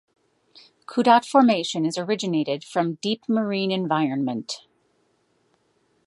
Kudat formation is originated from deep marine environment.